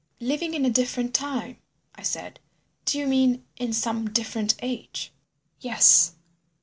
"Living in a different time," I said: "do you mean in some different age?" "Yes."